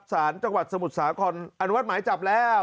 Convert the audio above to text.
สารจังหวัดสมุทรสาครอนุมัติหมายจับแล้ว